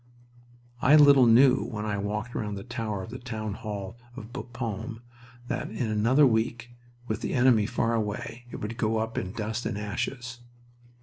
I little knew when I walked round the tower of the town hall of Bapaume that in another week, with the enemy far away, it would go up in dust and ashes.